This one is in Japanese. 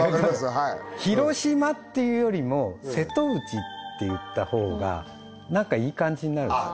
はい「広島」って言うよりも「瀬戸内」って言ったほうがなんかいい感じになるでしょ？